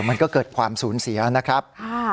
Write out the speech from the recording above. มันก็เกิดความสูญเสียนะครับ